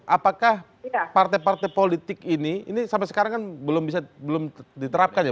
apakah partai partai politik ini ini sampai sekarang kan belum bisa belum diterapkan ya